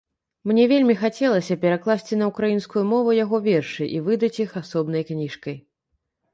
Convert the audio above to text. Мне вельмі хацелася перакласці на ўкраінскую мову яго вершы і выдаць іх асобнай кніжкай.